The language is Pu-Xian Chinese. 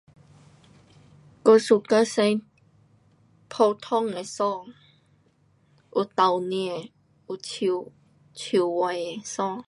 我 suka 穿普通的衣。有候领，有手手，袖的衣。